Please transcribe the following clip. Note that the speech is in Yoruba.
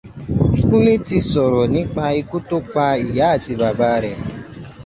Kúnlé ti sọ̀rọ̀ nípa ikú tó pa ìyá àti bàbá rẹ̀